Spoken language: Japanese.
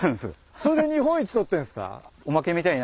それで日本一取ってんすか。